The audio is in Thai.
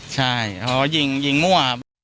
ใช่เพราะว่ายิงมั่ว